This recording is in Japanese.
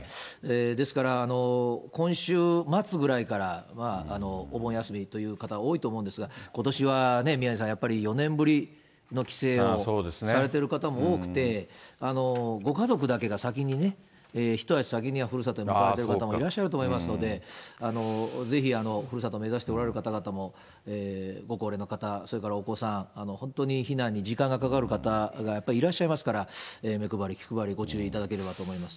ですから、今週末ぐらいからは、お盆休みという方、多いと思うんですが、ことしは宮根さん、やっぱり４年ぶりの帰省をされてる方も多くて、ご家族だけが先にね、一足先にふるさとへ向かわれる方もいらっしゃると思いますので、ぜひ、ふるさと目指しておられる方々も、ご高齢の方、それからお子さん、本当に避難に時間がかかる方がやっぱりいらっしゃいますから、目配り、気配り、ご注意いただければと思います。